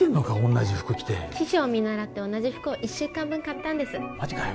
同じ服着て師匠を見習って同じ服を１週間分買ったんですマジかよ